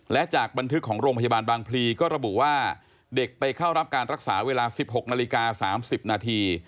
และจากบันทึกของโรงพยาบาลบางพลีก็ระบุว่าเด็กไปเข้ารับการรักษาเวลา๑๖นาฬิกา๓๐นาที